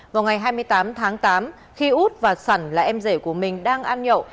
vào ngày hai mươi tám tháng tám khi út và sẩn là em rể của mình đang ăn nhậu